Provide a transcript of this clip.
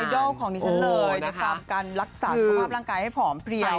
ไอดอลของดิฉันเลยในความการรักษาความพลังกายให้ผอมเพรียว